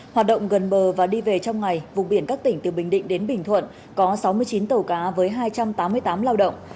hoạt động gần bờ và đi về trong ngày vùng biển các tỉnh từ bình định đến bình thuận có sáu mươi chín tàu cá với hai trăm tám mươi tám lao động